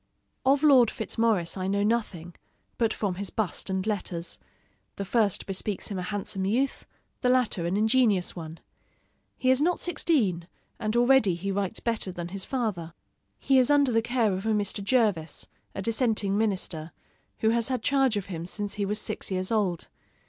Of Lord Fitzmaurice I know nothing, but from his bust and letters: the first bespeaks him a handsome youth, the latter an ingenious one. He is not sixteen, and already he writes better than his father. He is under the care of a Mr. Jervis, a dissenting minister, who has had charge of him since he was six years old.